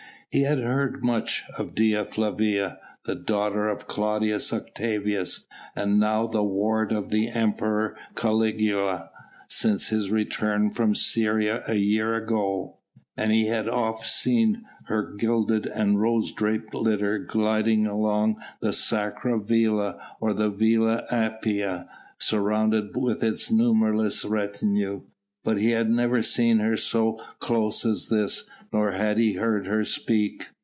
He had heard much of Dea Flavia the daughter of Claudius Octavius and now the ward of the Emperor Caligula since his return from Syria a year ago, and he had oft seen her gilded and rose draped litter gliding along the Sacra Via or the Via Appia, surrounded with its numberless retinue: but he had never seen her so close as this, nor had he heard her speak.